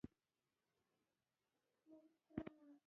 په کابل کې بندیان ول.